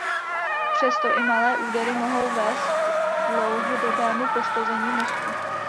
Přesto i malé údery mohou vést k dlouhodobému poškození mozku.